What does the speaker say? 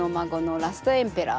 ラストエンペラー？